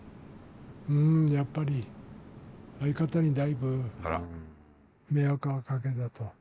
やっぱり相方にだいぶ迷惑はかけたと。